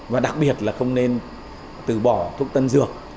và đặc biệt là không nên từ bỏ thuốc tân dược